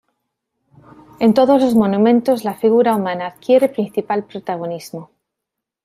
En todos los monumentos la figura humana adquiere principal protagonismo.